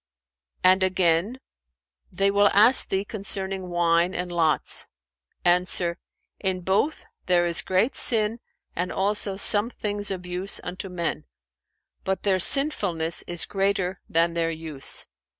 [FN#405] And again, 'They will ask thee concerning wine and lots': Answer, 'In both there is great sin and also some things of use unto men: but their sinfulness is greater than their use.'